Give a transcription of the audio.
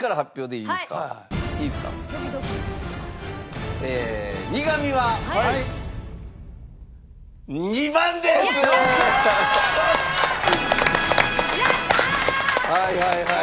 はいはいはいはい。